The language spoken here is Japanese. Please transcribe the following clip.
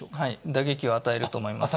打撃を与えると思います。